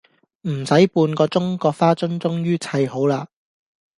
唔駛半個鐘個花樽終於砌好啦